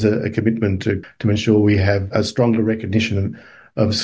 ada komitmen untuk memastikan kita memiliki pengertian kemampuan